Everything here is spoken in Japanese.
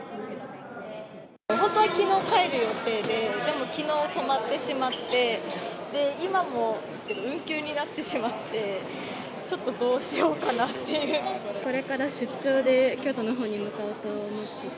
本当はきのう、帰る予定で、でもきのう止まってしまって、今もですけど、運休になってしまって、これから出張で、京都のほうに向かおうと思ってて。